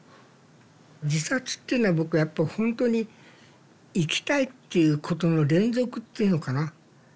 自殺っていうのは僕はやっぱほんとに生きたいっていうことの連続っていうのかな。